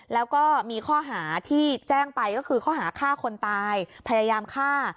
แล้วก็มีข้อหาที่แจ้งไปก็คือข้อหาฆ่าคนตายพยายามฆ่า